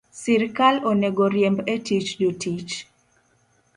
Sirkal onego riemb e tich jotich